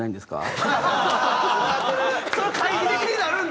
そんな懐疑的になるんだ！